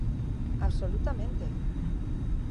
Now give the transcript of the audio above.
¡Absolutamente!